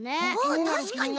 あたしかに。